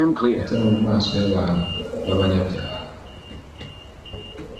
ndetse no mu maso y'abantu b'abanyabyaha.